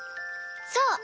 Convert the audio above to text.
そう！